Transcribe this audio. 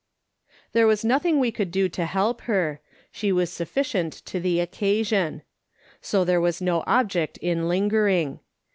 There was nothing we could do to help her; she was sufficient to the occasion. So there was no object in lingering.